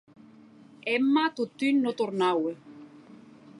Emma, totun, non tornaue.